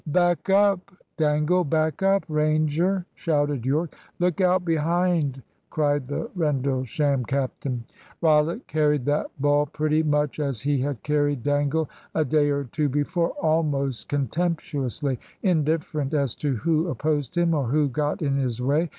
"Back up, Dangle! back up, Ranger!" shouted Yorke. "Look out behind!" cried the Rendlesham captain. Rollitt carried that ball pretty much as he had carried Dangle a day or two before, almost contemptuously, indifferent as to who opposed him or who got in his way.